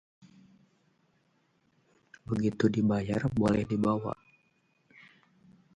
begitu dibayar, boleh dibawa